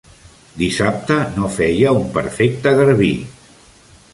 Dissabte no feia un perfecte garbí.